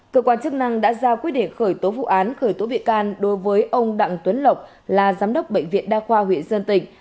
cơ quan chức năng đã ra quyết định khởi tố vụ án khởi tố bị can đối với ông đặng tuấn lộc là giám đốc bệnh viện đa khoa huyện sơn tịnh